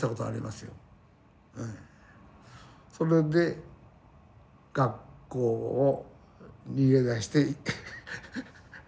それで学校を逃げ出して。